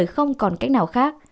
không còn cách nào khác